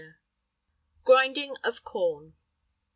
GRINDING OF CORN.